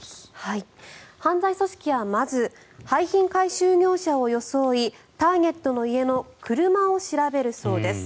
犯罪組織はまず廃品回収業者を装いターゲットの家の車を調べるそうです。